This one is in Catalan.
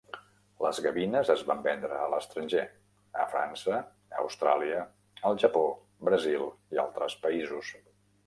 Les gavines es van vendre a l'estranger; a França, Austràlia, el Japó, Brasil i altres països.